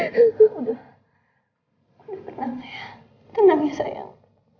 udah udah tenang ya tenang ya sayang